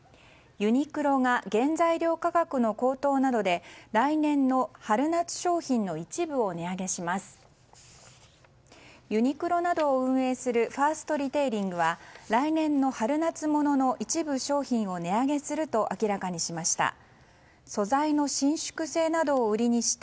ユニクロなどを運営するファーストリテイリングは来年の春夏物の一部商品を値上げすると明らかにしました。